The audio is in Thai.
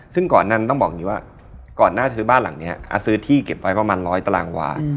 ซึ่งก่อนนั้นต้องบอกอย่างนี้ว่าก่อนหน้าซื้อบ้านหลังนี้ซื้อที่เก็บไว้ประมาณ๑๐๐ตารางวา